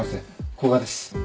古賀です。